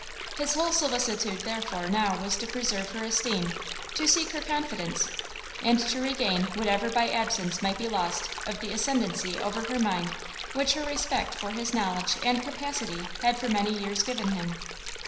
His whole solicitude therefore now was to preserve her esteem, to seek her confidence, and to regain whatever by absence might be lost of the [ascendancy] over her mind which her respect for his knowledge and capacity had for many years given him.